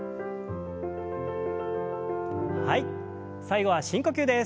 最後は深呼吸です。